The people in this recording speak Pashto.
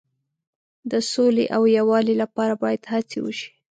د سولې او یووالي لپاره باید هڅې وشي.